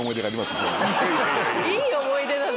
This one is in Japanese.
いい思い出なの？